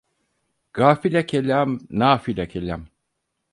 Gafile kelam, nafile kelam.